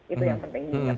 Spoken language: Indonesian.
itu yang penting